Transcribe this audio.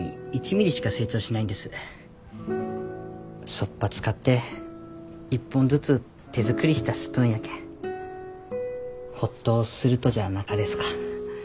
そっぱ使って１本ずつ手作りしたスプーンやけんホッとするとじゃなかですか。